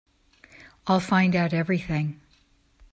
I'll find out everything.